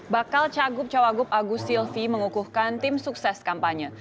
bakal cagup cawagup agus silvi mengukuhkan tim sukses kampanye